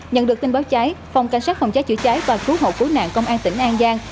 nhận được tin báo cháy phòng cảnh sát phòng cháy chữa cháy và cứu hộ cứu nạn công an tỉnh an giang